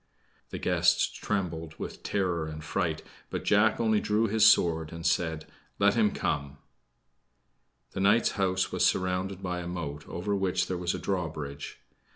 The guests trembled with terror and fright; but Jack only drew his sword and said, "Let him come!" The knight's house was surrounded by a moat over which there was a drawbridge.